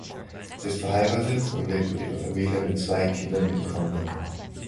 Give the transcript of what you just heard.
Sie ist verheiratet und lebt mit ihrer Familie mit zwei Kindern in Konya.